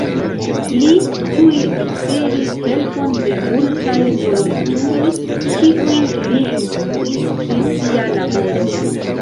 Li tuj ricevis helpon de multaj volontuloj kiujn li instruis pri sia laboro.